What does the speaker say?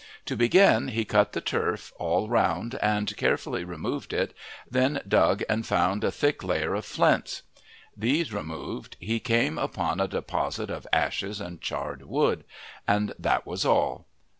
To begin he cut the turf all round and carefully removed it, then dug and found a thick layer of flints. These removed, he came upon a deposit of ashes and charred wood. And that was all.